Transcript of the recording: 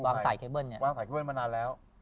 วางสายเค้เบิ้ลมานานแล้ว